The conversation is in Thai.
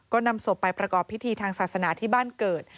ก็นำศพไปประกอบพิธีทางศาสนาที่บ้านเกิด